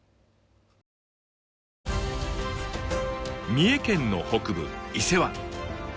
三重県の北部伊勢湾。